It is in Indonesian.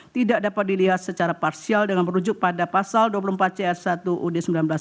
tidak dapat dilihat secara parsial dengan merujuk pada pasal dua puluh empat c satu uud seribu sembilan ratus empat puluh